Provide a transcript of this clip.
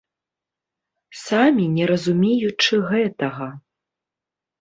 Самі не разумеючы гэтага.